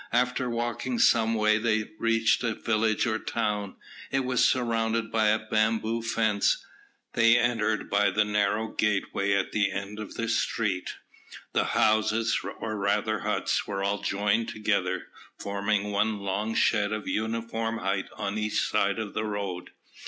After walking some way they reached a village or town. It was surrounded by a bamboo fence. They entered by a narrow gateway at the end of a street. The houses, or rather huts, were all joined together, forming one long shed of uniform height on each side of the road.